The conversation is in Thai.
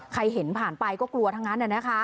เห็นผ่านไปก็กลัวทั้งนั้น